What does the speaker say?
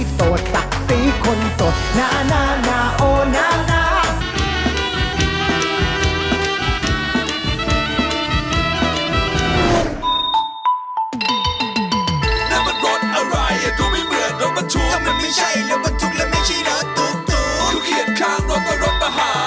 สวัสดีครับ